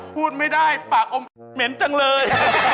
พูดไม่ได้ปากอมเหม็นจังเลย